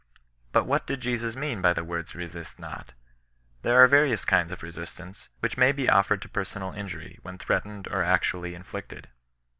But what did Jesus mean by the words " resist wo^ ^" There are various kinds of resistance, which may be of fered to personal injury, when threatened or actually in flicted.